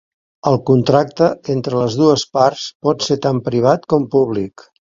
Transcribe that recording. El contracte entre les dues parts pot ser tant privat com públic.